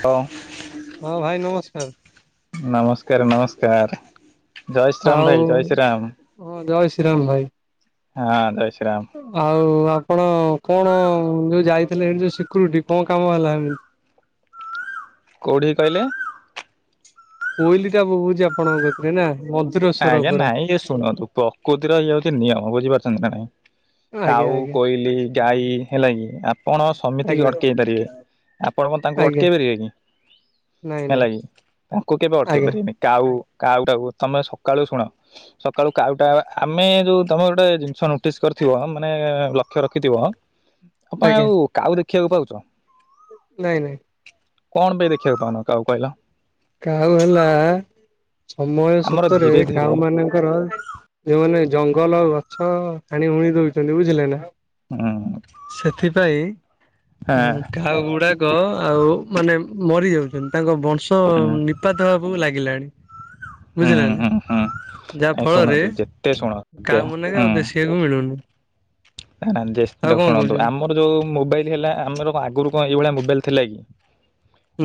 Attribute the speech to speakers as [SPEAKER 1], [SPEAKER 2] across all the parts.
[SPEAKER 1] ହଁ।
[SPEAKER 2] ହଁ ଭାଇ ନମସ୍କାର।
[SPEAKER 1] ନମସ୍କାର ନମସ୍କାର। ଜୟ ଶ୍ରୀରାମ
[SPEAKER 2] ଆଉ
[SPEAKER 1] ଭାଇ ଜୟ ଶ୍ରୀରାମ
[SPEAKER 2] ହଁ ଜୟ ଶ୍ରୀରାମ ଭାଇ।
[SPEAKER 1] ହଁ ଜୟ ଶ୍ରୀ ରାମ।
[SPEAKER 2] ଆଉ ଆପଣ କଣ ଯୋଉ ଯାଇଥିଲେ ଏମତି ଯୋଉ ସିକ୍ୟୁରିଟି କଣ କାମ ହେଲା ଏମିତି?
[SPEAKER 1] କେଉଁଠି କହିଲେ?
[SPEAKER 2] କୋଇଲି ଟା ବହୁଛି ଆପଣଙ୍କ ପାଖରେ ନା। ସ୍ୱର
[SPEAKER 1] ଆଜ୍ଞା
[SPEAKER 2] ପୁରା
[SPEAKER 1] ନାଇଁ ଇଏ ଶୁଣନ୍ତୁ ପ୍ରକୃତିର ଇଏ ହଉଛି ନିୟମ ବୁଝିପାରୁଛନ୍ତି ନା ନାଇଁ।
[SPEAKER 2] ଆଜ୍ଞା
[SPEAKER 1] ଟାଉ
[SPEAKER 2] ଆଜ୍ଞା
[SPEAKER 1] କୋଇଲି ଗାଈ ହେଲା କିି ଆପଣ ସେମିତିକ
[SPEAKER 2] ଆଜ୍ଞା
[SPEAKER 1] ଅଟକେଇ ପାରିବେ। ଆପଣ କଣ ତାଙ୍କୁ
[SPEAKER 2] ଆଜ୍ଞା
[SPEAKER 1] ଅଟକେଇ ପାରିବେ କି
[SPEAKER 2] ନାଇଁ
[SPEAKER 1] ହେଲା
[SPEAKER 2] ନାଇଁ
[SPEAKER 1] କି ତାଙ୍କୁ କେବେ ଅଟକେଇ
[SPEAKER 2] ଆଜ୍ଞା
[SPEAKER 1] ପାରିବେନି। କାଉ କାଉ ତମେସ। ସକାଳୁ ଶୁଣ ସକାଳୁ କାଉଟା ଆମେ ଯୋଉ ତମେ ଗୋଟେ ଜିନିଷ ନ ପ୍ର କରିଥିବ ମାନେ ଲକ୍ଷ ରଖିଥିବ ଆପଣ
[SPEAKER 2] ଆଜ୍ଞା
[SPEAKER 1] ଆଉ କହା ଦେଖିବାକୁ ପାଉଛ।
[SPEAKER 2] ନାଇଁ ନାଇଁ।
[SPEAKER 1] କଣ ପାଇଁ ଦେଖିବାକୁ ପାଉନ କହାକୁ କହିଲା।
[SPEAKER 2] କାଉ ହେଲା ସମୟ
[SPEAKER 1] ଆମର
[SPEAKER 2] ସତରେ
[SPEAKER 1] ଧୀରେ ଧୀରେ
[SPEAKER 2] କାଉ ମାନେ ଯୋଉମାନେ ଜଙ୍ଗଲ ଗଛ ହାଣି ହୁଣି ଦଉଛନ୍ତି ବୁଝିଲେ ନା ସେଥିପାଇଁ କାଉ ଗୁଡା ଆଉ ମାନେ ମରି ଯାଉଛନ୍ତି ତାଙ୍କ ବଂଶ ତ ନିପାତ ହେବକୁ ଲାଗିଲାଣି ବୁଝିଲ ନା। ଯାହା
[SPEAKER 1] ହୁଁ
[SPEAKER 2] ଫଳରେ
[SPEAKER 1] ଶୁଣନ୍ତ୍ତ ଯେତେ ଶୁଣତେ
[SPEAKER 2] କାଉ ମାନକେ ଆଉ
[SPEAKER 1] ହୁଁ।
[SPEAKER 2] ଦେଖିବାକୁ ମିଳୁନି।
[SPEAKER 1] ନା ନା ଦେ
[SPEAKER 2] ଆଉ କଣ
[SPEAKER 1] ଶୁଣନ୍ତୁ ଆମ।
[SPEAKER 2] କହୁଛନ୍ତି
[SPEAKER 1] ଆମର ଯଉ ମୋବାଇଲ ହେଲା ଆମର ଆଗରୁ କଣ ଏଇଭଳିଆ ମୋବାଇଲ ଥିଲା କି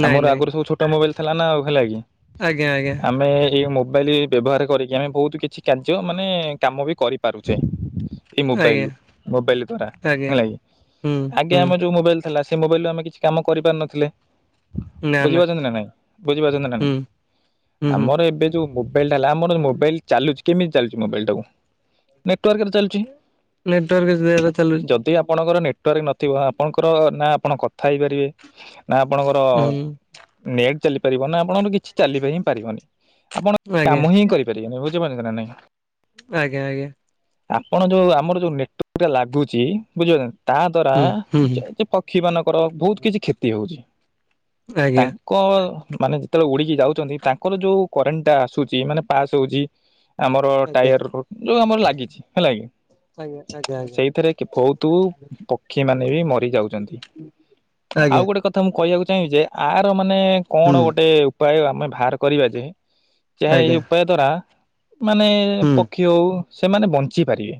[SPEAKER 2] ନାଇଁ
[SPEAKER 1] ଆମର
[SPEAKER 2] ନାଇଁ।
[SPEAKER 1] ଆଗରୁ ସବୁ ଛୋଟ ଅଟୋମୋବାଇଲ ଥିଲା ନା ଆଉ ହେଲା କି।
[SPEAKER 2] ଆଜ୍ଞା ଆଜ୍ଞା।
[SPEAKER 1] ଆମେ ଏଇ ମୋବାଇଲ ବ୍ୟବହାର କରିକି ଆମେ ବହୁତ କିଛି କାର୍ଯ୍ୟ ମାନେ କାମ ବି କରିପାରୁଛେ। ଏଇ ମୋବାଇଲ
[SPEAKER 2] ଆଜ୍ଞା
[SPEAKER 1] ରୁ ମୋବାଇଲ ଦ୍ଵାରା
[SPEAKER 2] ଆଜ୍ଞା
[SPEAKER 1] ହେଲା କିି
[SPEAKER 2] ହୁଁ
[SPEAKER 1] ଆଗେ
[SPEAKER 2] ହୁଁ।
[SPEAKER 1] ଆମେ ଯୋଉ ମୋବାଇଲ ହେଲା ସେ ମୋବାଇଲ ରୁ ଆମେ କିଛି କାମ କରିପାରୁ ନଥିଲେ। ବୁଝିପାରୁଛନ୍ତି ନା ନାଇଁ ବୁଝିପାରୁଛନ୍ତି ନା
[SPEAKER 2] ହୁଁ
[SPEAKER 1] ନାଇଁ
[SPEAKER 2] ହୁଁ ହୁଁ
[SPEAKER 1] ଆମର ଏବେ ଯୋଉ ମୋବଇଲଟା ହେଲା ଆମର ମୋବାଇଲ ଚାଲୁଛି କେମିତି ଚାଲଛି ମୋବାଇଲ ଟାକୁ ନେଟାର୍କ ଚାଲୁଛି।
[SPEAKER 2] ନେଟୱର୍କଯେ ଚାଲ।
[SPEAKER 1] ଯଦି ଆପଣଙ୍କର ନେଟୱାର୍କ ନଥିବ ଆପଣଙ୍କର ନା ଆପଣ କଥା ହେଇପାରିବେ। ନା ଆପଣଙ୍କର
[SPEAKER 2] ହୁଁ
[SPEAKER 1] ନେଟ୍ ଚାଲିପାରିବ ନା ଆପଣଙ୍କର କିଛି ଚାଲିବା ହିଁ ପାରିବନି। ଆପଣ
[SPEAKER 2] ଆଜ୍ଞା।
[SPEAKER 1] କାମ ହିଁ କରିପାରିବେନି ବୁଝିପାରୁଛନ୍ତି ନା ନାଇଁ।
[SPEAKER 2] ଆଜ୍ଞା ଆଜ୍ଞା।
[SPEAKER 1] ଆପଣ ଯୋଉ ଆମର ଯୋଉ ନେଟୱର୍କ ଲାଗୁଛି ବୁଝିପାରୁ ତା ଦ୍ଵାରା
[SPEAKER 2] ହୁଁ ହୁଁ ହୁଁ
[SPEAKER 1] ଯେ ପକ୍ଷୀ ମାନଙ୍କର ବହୁତ କିଛି କ୍ଷତି ହଉଛି
[SPEAKER 2] ଆଜ୍ଞା
[SPEAKER 1] ତାଙ୍କ ମାନେ ଯେତେବେଳେ ଉଡିକି ଯାଉଛନ୍ତି ତାଙ୍କର ଯୋଉ କରେଣ୍ଟ ଟା ଆସୁଛି ମାନେ ପାସ୍ ହଉଚି। ଆମର
[SPEAKER 2] ଆଜ୍ଞା
[SPEAKER 1] ଟାୟାର ଯୋଉ ଆମର ଲାଗିଛି ହେଲା କି।
[SPEAKER 2] ଆଜ୍ଞା ଆଜ୍ଞା ଆଜ୍ଞା।
[SPEAKER 1] ସେଇଥିରେ ବହୁତ ପକ୍ଷୀ ମାନେ ବି ମରି ଯାଉଛନ୍ତି। ଆଉ
[SPEAKER 2] ଆଜ୍ଞା
[SPEAKER 1] ଗୋଟେ କଥା ଥା ମୁଁ କହିଆକୁ ଚାହିଁବି ଯେ ଆର ମାନେ
[SPEAKER 2] ହୁଁ
[SPEAKER 1] କଣ ଗୋଟେ ଉପାୟ ଆମେ ବାହାର କରିବା ଯେ ଯାହା
[SPEAKER 2] ଆଜ୍ଞା
[SPEAKER 1] ଏଇ ଉପାୟ ଦ୍ଵାରା ମାନେ
[SPEAKER 2] ହୁଁ
[SPEAKER 1] ପକ୍ଷୀ ହଉ ସେମାନେ ବଞ୍ଚି ପାରିବେ।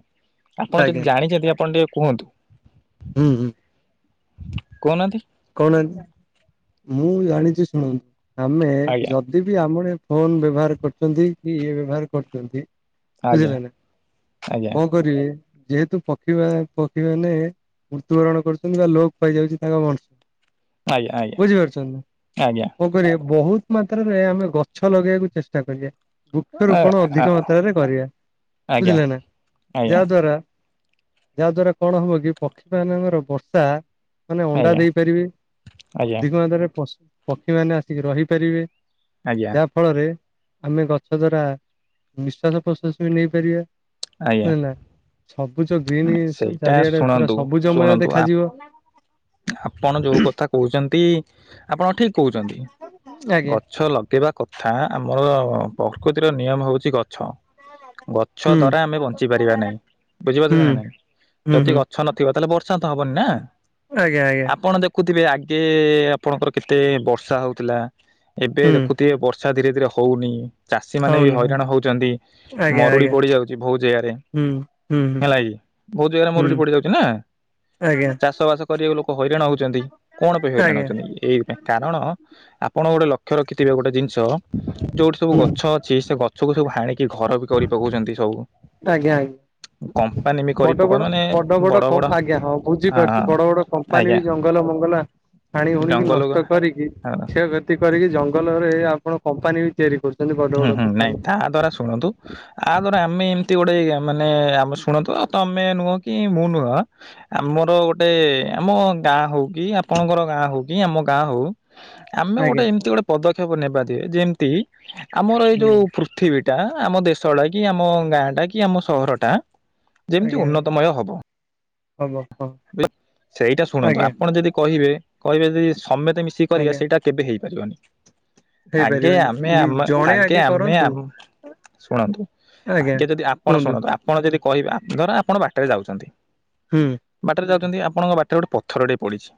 [SPEAKER 1] ଆପଣ ଯଦି
[SPEAKER 2] ଆଜ୍ଞା
[SPEAKER 1] ଜାଣିଛନ୍ତି ଆପଣ ଟିକେ କୁହନ୍ତୁ?
[SPEAKER 2] ହୁଁ ହୁଁ।
[SPEAKER 1] କହୁନାହାନ୍ତି?
[SPEAKER 2] କହୁନାହଁନ୍ତି ମୁଁ ଜାଣିଛି ଶୁଣନ୍ତୁ ଆମେ
[SPEAKER 1] ଆଜ୍ଞା
[SPEAKER 2] ଯ ଦିଦି ଆମ ଭଳିଆ ଫୋନ ବ୍ୟବହାର କରୁଛନ୍ତି କି ଇଏ ବ୍ୟବହାର କରୁଛନ୍ତି।
[SPEAKER 1] ଆଜ୍ଞା
[SPEAKER 2] ବୁଝିଲେ ନା
[SPEAKER 1] ଆଜ୍ଞା
[SPEAKER 2] କଣ କରିବି ଯେହେତୁ ପକ୍ଷୀ ମା ପକ୍ଷୀ ମାନେ ମୃତ୍ୟୁବରଣ କରୁଛନ୍ତି ବା ଲୋପ ପାଇଯାଉଛି ତାଙ୍କ ବଣ
[SPEAKER 1] ଆଜ୍ଞା। ଆଜ୍ଞା।
[SPEAKER 2] ବୁଝିପାରୁଛନ୍ତି
[SPEAKER 1] ଆଜ୍ଞା
[SPEAKER 2] କଣ କରିବା ବହୁତ ମାତ୍ରାରେ ଆମେ ଗଛ ଲଗେଇବାକୁ ଚେଷ୍ଟା କରିବା। ବୃକ୍ଷରୋପଣ
[SPEAKER 1] ଆଜ୍ଞା
[SPEAKER 2] ଅଧିକ ମାତ୍ରାରେ କରିବା।
[SPEAKER 1] ଆଜ୍ଞା
[SPEAKER 2] ବୁଝିଲେନା
[SPEAKER 1] ଆଜ୍ଞା
[SPEAKER 2] ଯାହା ଦ୍ୱାରା ଯାହା ଦ୍ଵାରା କଣ ହବ କି ପକ୍ଷୀ ମାନଙ୍କର ବସା ମାନେ ଅଣ୍ଡା ଦେଇ ପାରିବେ
[SPEAKER 1] ଆଜ୍ଞା
[SPEAKER 2] ଅଧିକ ମାତ୍ରାରେ ପ ପକ୍ଷୀ ମାନେ ଆସି ରହିପାରିବେ
[SPEAKER 1] ଆଜ୍ଞା
[SPEAKER 2] ଯା ଫଳରେ ଆମେ ଗଛ ଦ୍ଵାରା ନିଶ୍ଵାସ ପ୍ରଶ୍ୱାସ ବି ନେଇପାରିବା।
[SPEAKER 1] ଆଜ୍ଞା।
[SPEAKER 2] ବୁଝିଲେନା ସବୁଜ ଗ୍ରୀନ୍
[SPEAKER 1] ସେଇଟା
[SPEAKER 2] ଚାରିଆଡେ ପୁରା
[SPEAKER 1] ଶୁଣନ୍ତୁ
[SPEAKER 2] ସବୁଜମୟ
[SPEAKER 1] ଶୁଣନ୍ତୁ
[SPEAKER 2] ଦେଖାଯିବ।
[SPEAKER 1] ଆପଣ ଯୋଉ କଥା କହୁଛନ୍ତି ଆପଣ ଠିକ୍ କହୁଛନ୍ତି
[SPEAKER 2] ଆଜ୍ଞା
[SPEAKER 1] ଗଛ ଲଗେଇବା କଥା ଆମର ପ୍ରକୃତିର ନିୟମ ହଉଛି ଗଛ। ଗଛ
[SPEAKER 2] ହୁଁ
[SPEAKER 1] ଦ୍ଵାରା ଆମେ ବଞ୍ଚି ପାରିବା ନାହିଁ
[SPEAKER 2] ହୁଁ
[SPEAKER 1] ବୁଝିପାରୁଛନ୍ତି ନା ନାଇଁ
[SPEAKER 2] ହୁଁ
[SPEAKER 1] ଯଦି
[SPEAKER 2] ହୁଁ
[SPEAKER 1] ଗ ଛ ନ ଥିବ ତାହେଲେ ବର୍ଷା ତ ହବନି ନା।
[SPEAKER 2] ଆଜ୍ଞା ଆଜ୍ଞା।
[SPEAKER 1] ଆପଣ ଦେଖୁଥିବେ ଆଗେ ଆପଣଙ୍କର କେତେ ବର୍ଷା ହଉଥିଲା ଏବେ
[SPEAKER 2] ହୁଁ
[SPEAKER 1] ଦେଖୁଥିବେ ବର୍ଷା ର୍ଷା ଧୀରେ ଧୀରେ ହଉନି। ଚାଷୀ ମାନେ ବି
[SPEAKER 2] ହଉନି ହଉ
[SPEAKER 1] ହଇରାଣ ହଉଛନ୍ତି,
[SPEAKER 2] ଆଜ୍ଞା
[SPEAKER 1] ମରୁଡି
[SPEAKER 2] ଆଜ୍ଞା
[SPEAKER 1] ପଡି ଯାଉଛି ବହୁ ଜାଗାରେ।
[SPEAKER 2] ହୁଁ ହୁଁ ହୁଁ
[SPEAKER 1] ହେଲା କି? ବହୁ ଜାଗାରେ
[SPEAKER 2] ହୁଁ
[SPEAKER 1] ମରୁଡି ପଡି ଯାଉଛି ନା,
[SPEAKER 2] ଆଜ୍ଞା।
[SPEAKER 1] ଚାଷ ବାସ ଗରିବ ଲୋକ ହଇରାଣ ହଉଛନ୍ତି। କଣ ପାଇଁ ହଇରାଣ
[SPEAKER 2] ଆଜ୍ଞା
[SPEAKER 1] ହଉଛନ୍ତି? ଏଇଥିପାଇଁ କାରଣ ଆପଣ ଗୋଟେ ଲକ୍ଷ୍ୟ ରଖିଥିବେ ଗୋଟେ ଜିନିଷ ଯୋଉଠି ସବୁ
[SPEAKER 2] ହୁଁ
[SPEAKER 1] ଗଛ ଅଛି ସେ ଗଛକୁ ସବୁ ହାଣିକି ଘର ବି କରି ପକଉଛନ୍ତି ସବୁ।
[SPEAKER 2] ଆଜ୍ଞା ଆଜ୍ଞା।
[SPEAKER 1] କମ୍ପାନୀ ବି କରି ପକା
[SPEAKER 2] ବଡଗୋଡ,
[SPEAKER 1] ମାନେ
[SPEAKER 2] ବଡଗୋଡ
[SPEAKER 1] ବଡ
[SPEAKER 2] କୋ
[SPEAKER 1] ବଡ
[SPEAKER 2] ଆଜ୍ଞା ହଁ ବୁଝିପାରୁଛି
[SPEAKER 1] ହଁ
[SPEAKER 2] ବଡଗୋଡ଼ କ ମାନେ
[SPEAKER 1] ଆଜ୍ଞା
[SPEAKER 2] ବି ଜଙ୍ଗଲ ମଙ୍ଗଲ ହାଣି ହୁଣିକି
[SPEAKER 1] ଜଙ୍ଗଲ ହଁ
[SPEAKER 2] ନଷ୍ଟ କରିକି, କ୍ଷ କ୍ଷୟ କ୍ଷତି କରିକି ଜଙ୍ଗଲରେ ଆପଣ କମ୍ପାନୀ ବି ତିଆରି କରୁ
[SPEAKER 1] ହୁଁ ହୁଁ ନାଇଁ ତାହା ଦ୍ଵାରା ଶୁଣନ୍ତୁ ଆ ଦ୍ୱାରା ଆମେ ଏମିତି ଗୋଟେ ମାନେ ଆମେ ଶୁଣନ୍ତୁ ଅ ତମେ ନୁହ କି ମୁଁ ନୁହ ଆମର ଗୋଟେ ଆମ ଗାଁ ହଉ କି ଆପଣଙ୍କର ଗାଁ ହଉ କି ଆମ ଗାଁ ହଉ ଆମେ
[SPEAKER 2] ଆଜ୍ଞା।
[SPEAKER 1] ଗୋଟେ ଏମିତି ଗୋଟେ ପଦକ୍ଷେପ ନେବା ଯେ ଯେମିତି ଆମର ଏଇ
[SPEAKER 2] ହୁଁ
[SPEAKER 1] ଯୋଉ ପୃ ପୃଥିବୀ ଟା, ଆମ ଦେଶ ଟା, କି ଆମ ଗାଁ ଟା, କି ଆମ ସହର ଟା ଯେମିତି
[SPEAKER 2] ଆଜ୍ଞା ଆଜ୍ଞା।
[SPEAKER 1] ଉନ୍ନତମୟ ହବ
[SPEAKER 2] ହବ। ହଁ
[SPEAKER 1] [unintelligible] ସେଇଟା ଶୁଣନ୍ତୁ
[SPEAKER 2] ଆଜ୍ଞା
[SPEAKER 1] ଆପଣ ଯଦି କହିବେ କହିବେ ଯଦି ସମେତ ମିଶି କରିବା
[SPEAKER 2] ଆଜ୍ଞା
[SPEAKER 1] ସେଇଟା କେବେ ହେଇପାରିବନି। ଆଗେ
[SPEAKER 2] ହେଇପାରିବନି।
[SPEAKER 1] ଆମେ
[SPEAKER 2] ନି
[SPEAKER 1] ଆମ
[SPEAKER 2] ଜଣେ
[SPEAKER 1] ଆଗେ ଆମେ
[SPEAKER 2] କରନ୍ତୁ
[SPEAKER 1] ଆମ ଶୁଣନ୍ତୁ
[SPEAKER 2] ଆଜ୍ଞା
[SPEAKER 1] ଆଗେ ଯଦି ଆପଣ
[SPEAKER 2] କୁହନ୍ତୁ
[SPEAKER 1] ଶୁଣନ୍ତୁ ଆପଣ ଯଦି କହିବେ ଆ ଧର ଆପଣ ବାଟରେ ଯାଉଛନ୍ତି
[SPEAKER 2] ହୁଁ।
[SPEAKER 1] ବାଟରେ ଯାଉଛନ୍ତି, ଆପଣଙ୍କ ବାଟରେ ଗୋଟେ ପଥର ଟେ ପଡିଛି।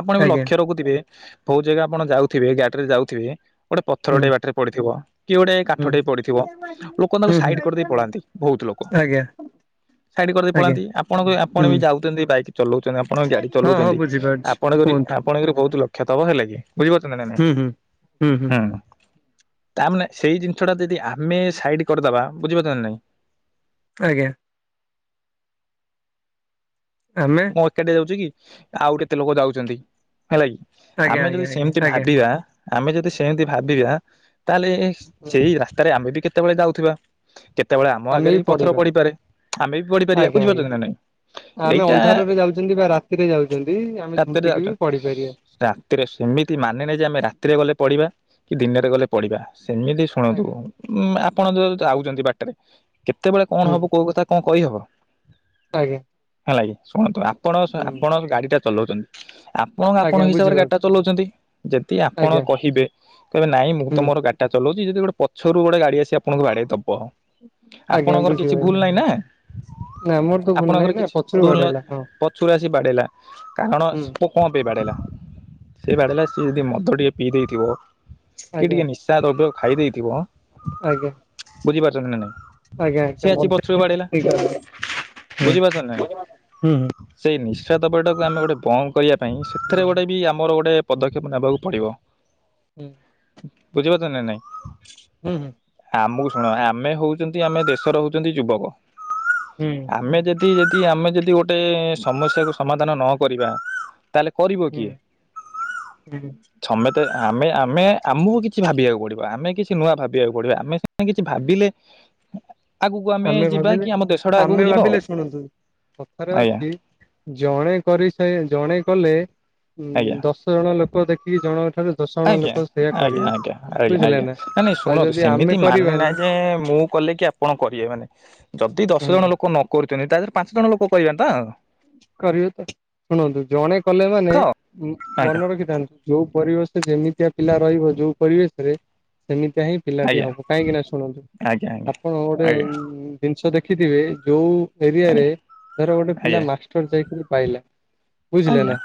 [SPEAKER 1] ଆପଣ ବି
[SPEAKER 2] ଆଜ୍ଞା
[SPEAKER 1] ଲକ୍ଷ୍ୟ ରଖୁଥିବେ। ବହୁ ଜାଗା ଆପଣ ଯାଉଥିବେ, ଗ୍ୟାଟ ରେ ଯାଉଥିବେ ଗୋଟେ
[SPEAKER 2] ହୁଁ
[SPEAKER 1] ପଥରଟେ ବାଟ ରେ ପଡିଥିବ କି ଗୋଟେ
[SPEAKER 2] ହୁଁ
[SPEAKER 1] କାଠଟେ ପଡିଥିବ, ଲୋକ
[SPEAKER 2] ହୁଁ
[SPEAKER 1] ତାଙ୍କୁ
[SPEAKER 2] ହୁଁ
[SPEAKER 1] ସାଇଡ କରିଦେଇ ପଳାନ୍ତି ବହୁତ ଲୋକ।
[SPEAKER 2] ଆଜ୍ଞା
[SPEAKER 1] ସାଇଡ କରିଦେଇ
[SPEAKER 2] ଆଜ୍ଞା
[SPEAKER 1] ପଳାନ୍ତି। ଆପଣଙ୍କୁ ବି ଆ ଆପଣ
[SPEAKER 2] ହୁଁ
[SPEAKER 1] ବି ଯାଉଛନ୍ତି, ବାଇକ୍ ଚଲଉଛନ୍ତି, ଆପଣ ଗାଡି
[SPEAKER 2] ହଁ ହଁ
[SPEAKER 1] ଚଲଉଛନ୍ତି,
[SPEAKER 2] ବୁଝିପାରୁଛି
[SPEAKER 1] ଆପଣ ଯଦି ଆ
[SPEAKER 2] କୁହନ୍ତୁ
[SPEAKER 1] ଆପଣଙ୍କରେ ବହୁତ ଲକ୍ଷ ଥବ ହେଲା କି, ବୁଝିପାରୁଛନ୍ ନ ନାଇଁ?
[SPEAKER 2] ହୁଁ ହୁଁ।
[SPEAKER 1] ହୁଁ। ତା ମାନେ ସେଇ ଜିନିଷ ଟା ଯଦି ଆମେ ସାଇଡ କରିଦବା, ବୁଝିପାରୁଛ ନା ନାଇଁ?
[SPEAKER 2] ଆଜ୍ଞା। ଆମେ
[SPEAKER 1] ମୁଁ ଏକାଠି ଯାଉଛି କି? ଆଉ କେତେ ଲୋକ ଯାଉଛନ୍ତି। ହେଲା କି,
[SPEAKER 2] ଆଜ୍ଞା
[SPEAKER 1] ଆମେ
[SPEAKER 2] ଆଜ୍ଞା
[SPEAKER 1] ଯଦି
[SPEAKER 2] ଆଜ୍ଞା
[SPEAKER 1] ସେମିତି
[SPEAKER 2] ଆଜ୍ଞା
[SPEAKER 1] ଭାବିବା ଆମେ ଯଦି ସେମିତି
[SPEAKER 2] ହୁଁ
[SPEAKER 1] ଭାବିବା, ତାହେଲେ
[SPEAKER 2] ହୁଁ
[SPEAKER 1] ସେଇ ରାସ୍ତାରେ ଆମେ ବି କେତେବେଳେ ଯାଉଥିବା। କେତେବେଳେ ଆମ
[SPEAKER 2] ଆମେ
[SPEAKER 1] ଆଗରେ ବି ପଥର
[SPEAKER 2] ପଢିବା
[SPEAKER 1] ପଡିପାରେ? ଆମେ ବି ପଡିପାରିବା।
[SPEAKER 2] ଆଜ୍ଞା ଆଜ୍ଞା
[SPEAKER 1] ବୁଝିପାରୁଛ କି ନା ନାଇଁ?
[SPEAKER 2] ଆମେ
[SPEAKER 1] ଏଇଟା
[SPEAKER 2] ଅନ୍ଧାରରେ ଯାଉଛନ୍ତି ବା ରାତିରେ ଯାଉଛନ୍ତି ଆମେ
[SPEAKER 1] ରାତିରେ
[SPEAKER 2] ଝୁଣ୍ଟିକି
[SPEAKER 1] ଯାଉଛନ୍ତି।
[SPEAKER 2] ବି ପଡିପାରିବା।
[SPEAKER 1] ରାତିରେ ସେମିତି ମାନେ ନାଇଁ ଯେ ଆମେ ରାତିରେ ଗଲେ ପଡିବା କି ଦିନରେ ଗଲେ ପଡିବା। ସେମିତି ଶୁଣନ୍ତୁ
[SPEAKER 2] ଆଜ୍ଞା
[SPEAKER 1] ଉଁ ଆପଣ ଯୋଉ ଯାଉଛନ୍ତି ବାଟରେ କେତେବେଳେ କଣ
[SPEAKER 2] ହୁଁ
[SPEAKER 1] ହବ କୋଉ କଥା କଣ କହିହବ?
[SPEAKER 2] ଆଜ୍ଞା।
[SPEAKER 1] ହେଲା କିି, ଶୁଣନ୍ତୁ ଆପଣ ସ
[SPEAKER 2] ହୁଁ
[SPEAKER 1] ଆପଣ ଗାଡି ଟା ଚଲଉଛନ୍ତି ଆପଣ ଆପଣଙ୍କ
[SPEAKER 2] ଆଜ୍ଞା
[SPEAKER 1] ହିସାବରେ ଗାଡି
[SPEAKER 2] ବୁଝିପାରୁଛି
[SPEAKER 1] ଟା ଚଲଉଛନ୍ତି। ଯଦି ଆପଣ
[SPEAKER 2] ଆଜ୍ଞା
[SPEAKER 1] କହିବେ କହିବେ ନାଇଁ ମୁଁ ତ
[SPEAKER 2] ହୁଁ।
[SPEAKER 1] ମୋର ଗାଡି ଟା ଚଲଉଛି ଯଦି ଗୋଟେ ପଛରୁ ଗୋଟେ ଗାଡି ଆସି ଆପଣଙ୍କୁ ବାଡେଇ ଦବ
[SPEAKER 2] ଆଜ୍ଞା
[SPEAKER 1] ଆପଣଙ୍କର କିଛି ଭୁଲ
[SPEAKER 2] ବୁଝିପାରିଲି
[SPEAKER 1] ନାଇଁ ନା,
[SPEAKER 2] ନା ମୋର ତ ଭୁଲ
[SPEAKER 1] ଆପଣଙ୍କର
[SPEAKER 2] ନାହିଁ ନା
[SPEAKER 1] କିଛି
[SPEAKER 2] ପଛରୁ
[SPEAKER 1] ଭୁଲ
[SPEAKER 2] ବାଡେଇଲା
[SPEAKER 1] ନୁହେଁ।
[SPEAKER 2] ହଁ
[SPEAKER 1] ପଛରୁ ଆସି ବାଡେଇିଲା। କାରଣ
[SPEAKER 2] ହୁଁ
[SPEAKER 1] ପୋ କଣ ପାଇଁ ବାଡ଼େଇଲା ସେ ବାଡ଼େଇ ଲା ସିଏ ଯଦି ମଦ ଟିକେ ପିଇ ଦେଇଥିବ କି
[SPEAKER 2] ଆଜ୍ଞା।
[SPEAKER 1] ଟିକେ ନି ସା ଦରବ୍ୟ ଖାଇ ଦେଇଥିବ।
[SPEAKER 2] ଆଜ୍ଞା,
[SPEAKER 1] ବୁଝିପାରୁଛନ୍ତି ନା
[SPEAKER 2] ଆଜ୍ଞା
[SPEAKER 1] ନାଇଁ
[SPEAKER 2] ଆଜ୍ଞା।
[SPEAKER 1] ସିଏ ଆସି ପଛରୁ ବାଡେଇଲା
[SPEAKER 2] [unintelligible] ହୁଁ,
[SPEAKER 1] ବୁଝିପାରୁଛନ୍ତି ନା
[SPEAKER 2] ହୁଁ
[SPEAKER 1] ନାଇଁ
[SPEAKER 2] ହୁଁ।
[SPEAKER 1] ସେଇ ନିଶା ଦ୍ରବ୍ୟ ଟାକୁ ଆମେ ଗୋଟେ ବନ୍ଦ କରିବା ପାଇଁ
[SPEAKER 2] ହୁଁ
[SPEAKER 1] ସେଥିରେ ଗୋଟେ ବି ଆମର ଗୋଟେ ପଦକ୍ଷେପ ନେବାକୁ ପଡ଼ିବ।
[SPEAKER 2] କୁହ।
[SPEAKER 1] ବୁଝିପାରୁଛ ନାଁ ନାଇଁ।
[SPEAKER 2] ହୁଁ ହୁଁ।
[SPEAKER 1] ଆମକୁ ଶୁଣ ଆମେ ହେଉଛନ୍ତି ଆମେ ଦେଶର ହେଉଛନ୍ତି ଯୁବକ।
[SPEAKER 2] ହୁଁ।
[SPEAKER 1] ଆମେ ଯଦି ଯଦି ଆମେ ଯଦି ଗୋଟେ ସମସ୍ୟାକୁ ସମାଧାନ ନ କରିବା ତାହେଲେ କରିବ
[SPEAKER 2] ହୁଁ
[SPEAKER 1] କିଏ?
[SPEAKER 2] ହୁଁ
[SPEAKER 1] ସମେତେ ଆମେ ଆମେ ଆମକୁ କିଛି ଭାବିବାକୁ ପଡ଼ିବ ଆମେ କିଛି ନୂଆ ଭାବିବାକୁ ପଡ଼ିବା ଆମେ ସିନା କିଛି ଭାବିଲେ। ଆଗକୁ ଆମେ ଯିବା କି ଆମ ଦେଶ ଟା
[SPEAKER 2] ଆମେ
[SPEAKER 1] ଆଗକୁ ଯିବ।
[SPEAKER 2] ଭାବିଲେ ଶୁଣନ୍ତୁ କଥାରେ
[SPEAKER 1] ଆଜ୍ଞା
[SPEAKER 2] ଅଛି ଜଣେ କରିସାରେ ଜଣେ କଲେ? ହୁଁ
[SPEAKER 1] ଆଜ୍ଞା
[SPEAKER 2] ଦଶ ଜଣ ଲୋକ ଦେଖିକି ଜଣଙ୍କ ଠାରୁ ଦଶ ଜଣ
[SPEAKER 1] ଆଜ୍ଞା
[SPEAKER 2] ଲୋକ ସେଇୟା
[SPEAKER 1] ଆଜ୍ଞା
[SPEAKER 2] କରିବେ
[SPEAKER 1] ଆଜ୍ଞା ଆଜ୍ଞା ଆଜ୍ଞା
[SPEAKER 2] ବୁଝିଲେ
[SPEAKER 1] ଆଜ୍ଞା।
[SPEAKER 2] ନା।
[SPEAKER 1] ନାଇଁ ନାଇଁ
[SPEAKER 2] ଆଉ
[SPEAKER 1] ଶୁଣନ୍ତୁ
[SPEAKER 2] ଯଦି ଆମେ
[SPEAKER 1] ସେମିତି ମାନେ
[SPEAKER 2] କରିବାନି
[SPEAKER 1] ନାଇଁ ଯେ ମୁଁ କଲେ କି ଆପଣ କହିବେ ମାନେ ଯଦି ଦଶ
[SPEAKER 2] ହୁଁ
[SPEAKER 1] ଜଣ ଲୋକ ନ କରୁଛନ୍ତି ତା ଦେହରେ ପାଞ୍ଚ ଜଣ ଲୋକ କହିବେ ତ।
[SPEAKER 2] କରିବେ ତ ଶୁଣନ୍ତୁ ଜଣେ କଲେ ମାନେ
[SPEAKER 1] ତ
[SPEAKER 2] ମଁ
[SPEAKER 1] ଆଜ୍ଞା
[SPEAKER 2] ମନ ରଖିଥାନ୍ତୁ। ଯୋଉଁ ପରିବେଶ ଯେମିତିଆ ପିଲା ରହିବ ଯୋଉଁ ପରିବେଶରେ ସେମିତିଆ ହିଁ ପିଲାଟି
[SPEAKER 1] ଆଜ୍ଞା
[SPEAKER 2] ହବ କାହିଁକି ନାଁ ଶୁଣନ୍ତୁ
[SPEAKER 1] ଆଜ୍ଞା ଆଜ୍ଞା
[SPEAKER 2] ଆପଣ ଗୋଟେ
[SPEAKER 1] ଆଜ୍ଞା
[SPEAKER 2] ଜିନିଷ ଦେଖିଥିବେ ଯୋଉଁ ଏରିଆରେ
[SPEAKER 1] ଆଜ୍ଞା
[SPEAKER 2] ଧର ଗୋଟେ ପିଲା
[SPEAKER 1] ଆଜ୍ଞା
[SPEAKER 2] ମାଷ୍ଟର ଚାକିରୀ ପାଇଲା ବୁଝିଲେ ନାଁ
[SPEAKER 1] ଆଜ୍ଞା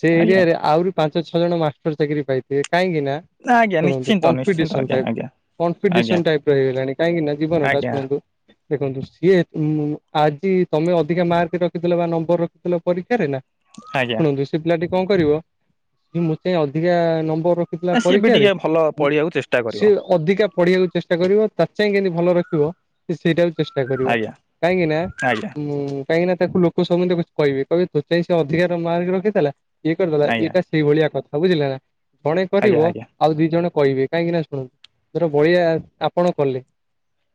[SPEAKER 2] ସେ
[SPEAKER 1] ଆଜ୍ଞା
[SPEAKER 2] ଏରିଆରେ ଆହୁରି ପାଞ୍ଚ ଛଅ ଜଣ ମାଷ୍ଟର ଚାକିରି ପାଇଥିବେ କାହିଁକି ନାଁ?
[SPEAKER 1] ନା ଆଜ୍ଞା
[SPEAKER 2] ଶୁଣନ୍ତୁ
[SPEAKER 1] ନିଶ୍ଚିନ୍ତ ନିଶ୍ଚିନ୍ତ
[SPEAKER 2] କମ୍ପିଟିସନ
[SPEAKER 1] ଆଜ୍ଞା
[SPEAKER 2] ଟାଇପ
[SPEAKER 1] ଆଜ୍ଞା
[SPEAKER 2] କନଫିଟିସନ
[SPEAKER 1] ଆଜ୍ଞା
[SPEAKER 2] ଟାଇପର ହେଇଗଲାଣି କାହିଁକି ନାଁ ଜୀବନଟା
[SPEAKER 1] ଆଜ୍ଞା
[SPEAKER 2] ଶୁଣନ୍ତୁ। ଦେଖନ୍ତୁ ସିଏ ଉଁମଁ ଆଜି ତମେ ଅଧିକା ମାର୍କ ରଖିଥିଲ ବା ନମ୍ବର ରଖିଥିଲ ପରୀକ୍ଷାରେ ନାଁ।
[SPEAKER 1] ଆଜ୍ଞା
[SPEAKER 2] ଶୁଣନ୍ତୁ ସେ ପିଲାଟି କଣ କରିବ ଯେ ମୋ ଅଧିକା ନମ୍ବର ଥିଲା
[SPEAKER 1] ଆ ସିଏ ବି
[SPEAKER 2] ପରୀକ୍ଷାରେ
[SPEAKER 1] ଟିକେ ଭଲ
[SPEAKER 2] ଉଁମଁ
[SPEAKER 1] ପଢ଼ିବାକୁ ଚେଷ୍ଟା କରିବ
[SPEAKER 2] ସେ ଅଧିକା ପଢିବାକୁ ଚେଷ୍ଟା କରିବ ତା ଚାହିଁ କେମିତି ଭଲ ରଖିବ ସିଏ ସେଇଟାକୁ ଚେଷ୍ଟା କରିବ
[SPEAKER 1] ଆଜ୍ଞା
[SPEAKER 2] କାହିଁକି ନାଁ
[SPEAKER 1] ଆଜ୍ଞା
[SPEAKER 2] ଉଁ କାହିଁକି ନାଁ ତାକୁ ଲୋକ ସମ୍ବନ୍ଧରେ କହିବି କହିବି ତୋ ଚାଇଁ ସେ ଅଧିକା ମାର୍କେ ରଖିଥିଲା ଇଏ କରିଦେଲା
[SPEAKER 1] ଆଜ୍ଞା
[SPEAKER 2] ଏଇଟା ସେଇଭଳିଆ କଥା ବୁଝିଲା ନାଁ। ଜଣେ କରିବ
[SPEAKER 1] ଆଜ୍ଞା ଆଜ୍ଞା
[SPEAKER 2] ଆଉ ଦି ଜଣ କହିବେ କାହିଁକି ନାଁ ଶୁଣନ୍ତୁ ଧର ବଳିଆ ଆପଣ କଲେ।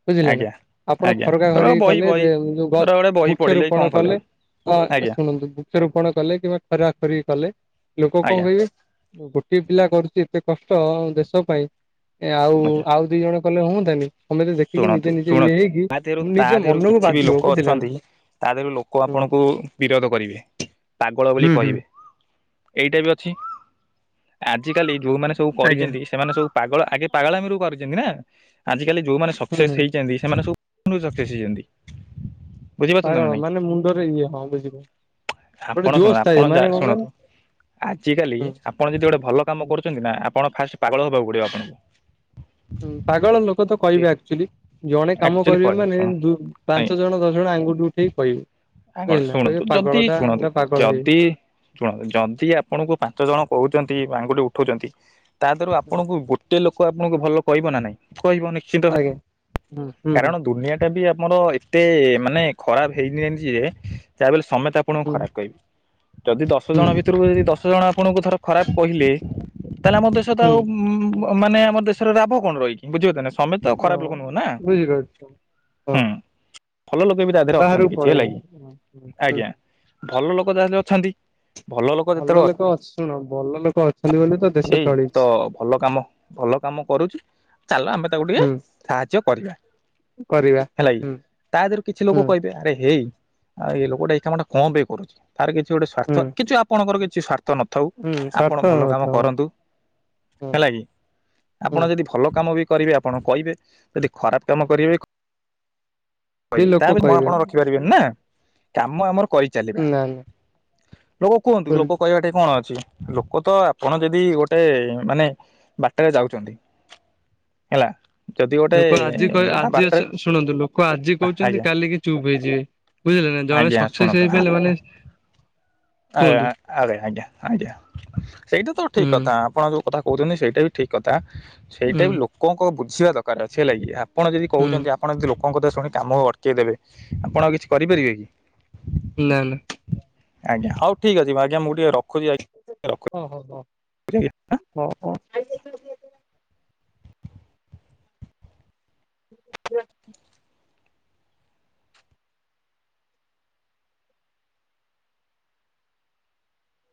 [SPEAKER 2] ବୁଝିଲେ ନାଁ
[SPEAKER 1] ଆଜ୍ଞା
[SPEAKER 2] ଆପଣ
[SPEAKER 1] ଆଜ୍ଞା
[SPEAKER 2] ଖରକା
[SPEAKER 1] ଧର
[SPEAKER 2] ଖରିକି
[SPEAKER 1] ବହି
[SPEAKER 2] କଲେ
[SPEAKER 1] ବହି
[SPEAKER 2] ଦେ ଉଁ
[SPEAKER 1] ଧର ଗୋଟେ ବହି ପଢ଼ିଲେ କି କଣ
[SPEAKER 2] ବୃକ୍ଷରୋପଣ କଲେ। ହଁ
[SPEAKER 1] ଆଜ୍ଞା
[SPEAKER 2] ଶୁଣନ୍ତୁ ବୃକ୍ଷରୋପଣ କଲେ କିମ୍ବା ଖରକା ଖରିକି କଲେ ଲୋକ କଣ
[SPEAKER 1] ଆଜ୍ଞା
[SPEAKER 2] କହିବେ। ଗୋଟିଏ ପିଲା କରୁଛି ଏତେ କଷ୍ଟ ଦେଶ ପାଇଁ ଆଉଁ
[SPEAKER 1] ଆଜ୍ଞା
[SPEAKER 2] ଆଉ ଦି ଜଣ କଲେ ହୁଅନ୍ତାନି। ସମେତେ ଦେଖିକି
[SPEAKER 1] ଶୁଣନ୍ତୁ
[SPEAKER 2] ନିଜେ ନିଜେ
[SPEAKER 1] ଶୁଣନ୍ତୁ
[SPEAKER 2] ଇଏ ହେଇକି
[SPEAKER 1] ତା ଦେହରୁ
[SPEAKER 2] ମୁଁ
[SPEAKER 1] ତା
[SPEAKER 2] ନିଜ
[SPEAKER 1] ଦେହରୁ
[SPEAKER 2] ମନକୁ
[SPEAKER 1] କିଛି ବି ଲୋକ
[SPEAKER 2] ବାଧିବ ବୁଝିଲେ ନାଁ।
[SPEAKER 1] ଅଛନ୍ତି ତା ଦେହରୁ ଲୋକ ଆପଣଙ୍କୁ ବିରୋଧ କରିବେ ପାଗଳ ବୋଲି
[SPEAKER 2] ହୁଁ ହୁଁ
[SPEAKER 1] କହିବେ। ଏଇଟା ବି ଅଛି ଆଜିକାଲି ଯୋଉଁ ମାନେ ସବୁ
[SPEAKER 2] ଆଜ୍ଞା।
[SPEAKER 1] କରିଛନ୍ତି। ସେମାନେ ସବୁ ପାଗଳ ଆଗେ ପାଗଳାମି ରୁ କରିଛନ୍ତି ନାଁ ଆଜିକାଲି ଯୋଉଁମାନେ
[SPEAKER 2] ହୁଁ
[SPEAKER 1] ସକ୍ସେସ
[SPEAKER 2] ହୁଁ
[SPEAKER 1] ହେଇଛନ୍ତି ସେମାନେ ସବୁ ବହୁତ ସକ୍ସେ ହେଇଛନ୍ତି। ବୁଝିପାରୁଛନ୍ତି ନା
[SPEAKER 2] ପାଗଳ
[SPEAKER 1] ନାଇଁ
[SPEAKER 2] ମାନେ ମୁଣ୍ଡରେ ଇଏ ହଁ ବୁଝିଲେ। ଗୋଟେ
[SPEAKER 1] ଆପଣ ଶୁଣନ୍ତୁ
[SPEAKER 2] ଜୋସ୍ ଥାଏ
[SPEAKER 1] ଆପଣ ଯା
[SPEAKER 2] ମାନେ କଣ
[SPEAKER 1] ଶୁଣନ୍ତୁ
[SPEAKER 2] କହିଲେ
[SPEAKER 1] ଆଜ କାଲି ଆଁ
[SPEAKER 2] ହୁଁ।
[SPEAKER 1] ଆପଣ ଯଦି ଗୋଟେ ଭଲ କାମ କରୁଛନ୍ତି ନାଁ ଆପଣ ଫାଷ୍ଟ ପାଗଳ ହବାକୁ ପଡିବ ଆପଣଙ୍କୁ।
[SPEAKER 2] ପାଗଳ ଲୋକ ତ କହିବେ ଆକ୍ଚୁଆଲି ଜଣେ କାମ
[SPEAKER 1] ଆକ୍ଚୁଆଲି
[SPEAKER 2] କରିବେ
[SPEAKER 1] କଣ
[SPEAKER 2] ମାନେ
[SPEAKER 1] ଶୁଣ
[SPEAKER 2] ଦୁ ପାଞ୍ଚ ଜଣ ଦଶ ଜଣ ଆଙ୍ଗୁଠି ଉଠେଇକି କହିବେ।
[SPEAKER 1] ଆପଣ
[SPEAKER 2] ବୁଝିଲେ ନା କହିବେ
[SPEAKER 1] ଶୁଣନ୍ତୁ ଯଦି
[SPEAKER 2] ପାଗଳ ଟା
[SPEAKER 1] ଶୁଣନ୍ତୁ
[SPEAKER 2] ଏଟା ପାଗଳ ହେଇ
[SPEAKER 1] ଯଦି ଶୁଣନ୍ତୁ ଯଦି ଆପଣଙ୍କୁ ପାଞ୍ଚ ଜଣ କହୁଛନ୍ତି ଆଙ୍ଗୁଠି ଉଠଉଛନ୍ତି ତା ଦେହରୁ ଆପଣଙ୍କୁ ଗୋ ଟିଏ ଲୋକ ଆପଣଙ୍କୁ ଭଲ କହିବ ନାଁ ନାଇଁ କହିବ ନିଶ୍ଚିତ।
[SPEAKER 2] ଆଜ୍ଞା। ହୁଁ ହୁଁ
[SPEAKER 1] କାରଣ ଦୁନିଆ ଟା ବି ଆମର ଏତେ ମାନେ ଖରାପ ହେଇନି ଯେ ଯାହା ହେଲେ ସମେତେ ଆ ଆପଣଙ୍କୁ
[SPEAKER 2] ହୁଁ
[SPEAKER 1] ଖରାପ କହିବେ ଯଦି ଦଶ
[SPEAKER 2] ହୁଁ ହୁଁ
[SPEAKER 1] ଜଣ ଭିତରକୁ ଯଦି ଦଶ ଜଣ ଆପଣଙ୍କୁ ଧର ଖରାପ କହିଲେ ତାହେଲେ ଆମ ଦେଶ ତ
[SPEAKER 2] ହୁଁ
[SPEAKER 1] ଆଉ ଉ ମାନେ ଆମ ଦେଶର ରାଭ କଣ ରହିକି ବୁଝିିବ ନା ସମେତ ଖରାପ ଲୋକ ନୁହେଁ ନା।
[SPEAKER 2] ବୁଝିଲେ।
[SPEAKER 1] ହୁଁ ଭଲ ଲୋକେ ବି ତା ଦେହରେ ଅଛନ୍ତି
[SPEAKER 2] ବାହାରକୁ
[SPEAKER 1] କିଛି ହେଲା
[SPEAKER 2] ପଳେଇବେ
[SPEAKER 1] କି
[SPEAKER 2] ହୁଁ
[SPEAKER 1] ଆଜ୍ଞା। ଭଲ ଲୋକ ତା ସହିତ ଅଛନ୍ତି। ଭଲ ଲୋକ
[SPEAKER 2] ଭଲ
[SPEAKER 1] ଯେତେବେଳେ
[SPEAKER 2] ଲୋକ ଅ ଶୁଣ ଭଲ ଲୋକ ଅଛନ୍ତି ବୋଲି ତ ଦେଶ
[SPEAKER 1] ଏଇ
[SPEAKER 2] ଚଳିଛି
[SPEAKER 1] ତ ଭଲ କାମ ଭଲ କାମ କରୁଛି। ଚାଲ ଆମେ ତାକୁ ଟିକେ
[SPEAKER 2] ହୁଁ
[SPEAKER 1] ସାହାଯ୍ୟ କରିବା।
[SPEAKER 2] କରିବା।
[SPEAKER 1] ହେଲାକି
[SPEAKER 2] ହୁଁ
[SPEAKER 1] ତା ଦେହରୁ କିଛି
[SPEAKER 2] ହୁଁ
[SPEAKER 1] ଲୋକ କହିବେ ଆରେ ହେଇ ଆଉ ଏ ଲୋକଟା ଏଇ କାମ ଟା କଣ ପାଇଁ କରୁଛି ତାର କିଛି ଗୋଟେ ସ୍ଵାର୍ଥ
[SPEAKER 2] ହୁଁ
[SPEAKER 1] କିଛି ଆପଣଙ୍କର କିଛି ସ୍ୱାର୍ଥ ସ୍ୱାର୍ଥ ନଥାଉ
[SPEAKER 2] ହୁଁ
[SPEAKER 1] ଆପଣ
[SPEAKER 2] ସ୍ୱାର୍ଥ
[SPEAKER 1] ଭଲ କାମ
[SPEAKER 2] ତ
[SPEAKER 1] କରନ୍ତୁ
[SPEAKER 2] ହୁଁ
[SPEAKER 1] ହେଲା କି ଆପଣ
[SPEAKER 2] ହୁଁ
[SPEAKER 1] ଯଦି ଯଦି ଭଲ କାମ ବି କରିବେ ଆପଣ କହିବେ ଯଦି ଖରାପ କାମ କରିବେ ବି କହିବେ ତାହା
[SPEAKER 2] ଲୋକ
[SPEAKER 1] ବି ମୁଁ
[SPEAKER 2] କହିବେ
[SPEAKER 1] ଆପଣ ରଖିବା କରିବେନି ନା କାମ ଆମର କରି ଚାଲିବା।
[SPEAKER 2] ନା
[SPEAKER 1] ଲୋକ କୁହନ୍ତୁ
[SPEAKER 2] ନା
[SPEAKER 1] ଲୋକ କହିବା ଠେଇଁ କଣ ଅଛି ଲୋକ ତ ଆପଣ ଯଦି ଗୋଟେ ମାନେ ବାଟରେ ଯାଉଛନ୍ତି ହେଲା ଯଦି ଗୋଟେ
[SPEAKER 2] ଲୋକ ଆଜି କ
[SPEAKER 1] ବାଟରେ
[SPEAKER 2] ଶୁଣନ୍ତୁ ଲୋକ ଆଜି କହୁଛନ୍ତି
[SPEAKER 1] ଆଜ୍ଞା
[SPEAKER 2] କାଲିକି ଚୁପ୍ ହେଇଯିବେ। ବୁଝିଲେ ନା ଜଣେ
[SPEAKER 1] ଆଜ୍ଞା
[SPEAKER 2] ସକ୍ସେସ
[SPEAKER 1] ଶୁଣନ୍ତୁ
[SPEAKER 2] ହେଇ ପାଇଲେ
[SPEAKER 1] ଆପ
[SPEAKER 2] ମାନେ କୁହନ୍ତୁ
[SPEAKER 1] ଆଜ୍ଞା ଆଜ୍ଞା ଆଇଡିଆ ଆଇଡିଆ ସେଇଟା ତ ଠିକ
[SPEAKER 2] ହୁଁ
[SPEAKER 1] କଥା [unintelligible] ଆପଣ ଯୋଉ କଥା କହୁଛନ୍ତି ସେଇଟା ବି ଠିକ୍ କଥା
[SPEAKER 2] ହୁଁ
[SPEAKER 1] ସେଇଟା ବି ଲୋକଙ୍କ ବୁଝିବା ଦରକାର ଅଛି ହେ ଲାଗି ଆପ ଆପଣ ଯଦି
[SPEAKER 2] ହୁଁ
[SPEAKER 1] କହୁଛନ୍ତି ଆପଣ ଯଦି ଲୋକଙ୍କ ଏମତି କଥା ଶୁଣି କାମ ଅଟକେଇ ଦେବେ ଆପଣ ଆଉ କିଛି କରିପାରିବେ କି।
[SPEAKER 2] ନା ନା
[SPEAKER 1] ଆଜ୍ଞ ହଉ ଠିକ୍ ଅଛି ଆଞା ମୁ ଟିକେ ରଖ
[SPEAKER 2] ହ ହୋ ହଁ
[SPEAKER 1] ଆଜ୍ଞା।
[SPEAKER 2] ହ ହ। ରଖ